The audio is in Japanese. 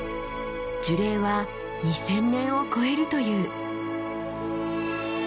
樹齢は２，０００年を超えるという。